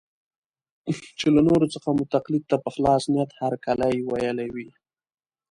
چې له نورو څخه مو تقلید ته په خلاص نیت هرکلی ویلی وي.